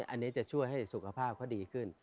อันนี้จะช่วยให้สุขภาพเขาดีขึ้น